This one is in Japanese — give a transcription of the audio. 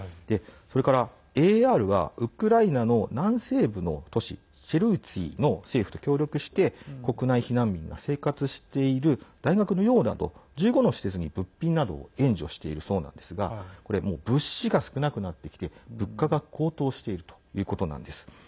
それから、ＡＡＲはウクライナの南西部の都市チェルウツィーの政府と協力して国内避難民が生活している大学の寮など１５の施設に物品などを援助しているそうなんですが物資が少なくなってきて物価が高騰しているということなんです。